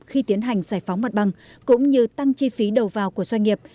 khi tiến hành giải phóng mặt bằng cũng như tăng chi phí đầu vào của doanh nghiệp